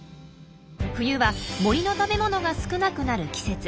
冬は森の食べ物が少なくなる季節。